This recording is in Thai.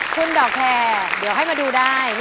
คุณดอกแคร์เดี๋ยวให้มาดูได้